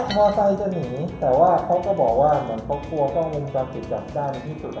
ตั้งแต่มาไซจะหนีแต่ว่าเขาก็บอกว่าเหมือนเขากลัวก็ไม่จำสิทธิ์จัดได้ในที่สุด